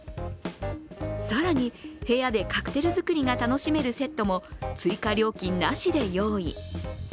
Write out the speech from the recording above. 更に、部屋でカクテル作りが楽しめるセットを追加料金なしで用意。